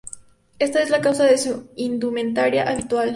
Esa es la causa de su indumentaria habitual.